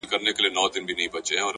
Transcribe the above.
هر منزل د هڅو پایله وي؛